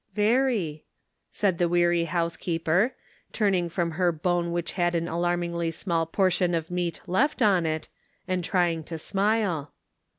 " Very," said the weary housekeeper, turn ing from her bone which had an alarmingly small portion of meat left on it, and trying to smile.